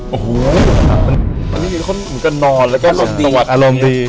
โอ้โหอันนี้มีคนเหมือนกันนอนแล้วก็อารมณ์ดี